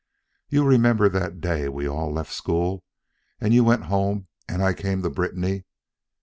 You remember the day we all left school and you went home and I came to Britanny?